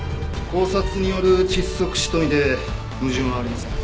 絞殺による窒息死と見て矛盾はありません。